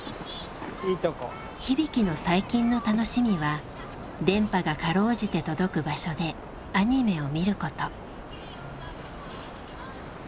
日々貴の最近の楽しみは電波がかろうじて届く場所でアニメを見ること。